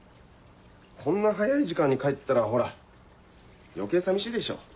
こんな早い時間に帰ったらほら余計寂しいでしょ？